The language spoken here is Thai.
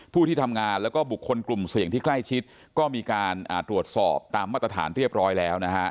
ที่ทำงานแล้วก็บุคคลกลุ่มเสี่ยงที่ใกล้ชิดก็มีการตรวจสอบตามมาตรฐานเรียบร้อยแล้วนะฮะ